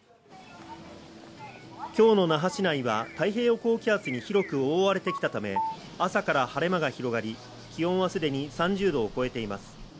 今日の那覇市内は太平洋高気圧に広く覆われてきたため、朝から晴れ間が広がり、気温はすでに３０度を超えています。